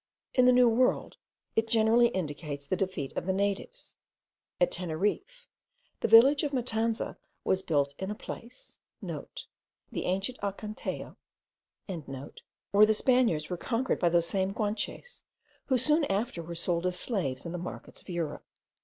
In the New World it generally indicates the defeat of the natives: at Teneriffe, the village of Matanza was built in a place* (* The ancient Acantejo.) where the Spaniards were conquered by those same Guanches who soon after were sold as slaves in the markets of Europe.